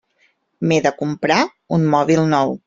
M'he de comprar un mòbil nou.